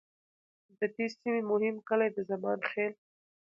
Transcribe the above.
د دې سیمې مهم کلي د زمان خیل،